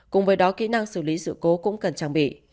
cùng với đó kỹ năng xử lý sự cố cũng cần trang bị